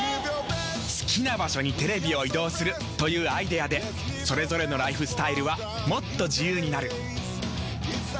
好きな場所にテレビを移動するというアイデアでそれぞれのライフスタイルはもっと自由になる。